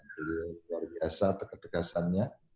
dia luar biasa terdekasannya